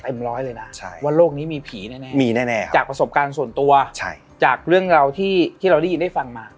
ร้อยเลยนะว่าโลกนี้มีผีแน่มีแน่จากประสบการณ์ส่วนตัวจากเรื่องราวที่เราได้ยินได้ฟังมา